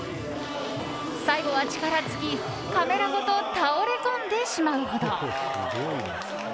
最後は力尽きカメラごと倒れ込んでしまうほど。